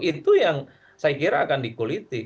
itu yang saya kira akan dikuliti